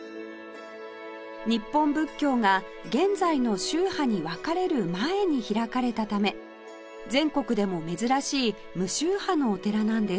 日本仏教が現在の宗派に分かれる前に開かれたため全国でも珍しい無宗派のお寺なんです